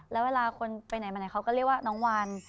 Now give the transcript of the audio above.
แล้วเวลาคนไปไหนมาไหนเขาก็เรียกว่าน้องวาน